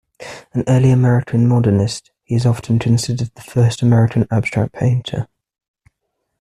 An early American modernist, he is often considered the first American abstract painter.